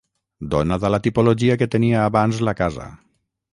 Donada la tipologia que tenia abans la casa.